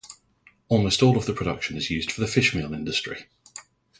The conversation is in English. Almost all of the production is used for the fishmeal industry.